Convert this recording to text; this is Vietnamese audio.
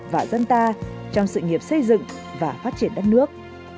và dân ta trong sự nghiệp xây dựng và phát triển đất nước